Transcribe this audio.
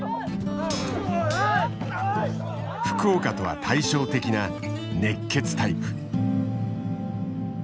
福岡とは対照的な熱血タイプ。